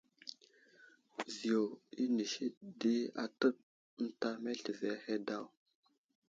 Viyo inisi di atəɗ ənta meltivi ahe daw.